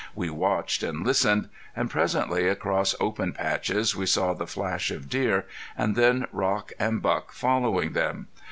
We watched and listened. And presently across open patches we saw the flash of deer, and then Rock and Buck following them.